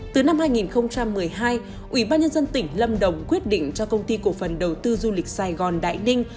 từ năm hai nghìn một mươi hai ủy ban nhân dân tỉnh lâm đồng quyết định cho công ty cổ phần đầu tư du lịch sài gòn đại ninh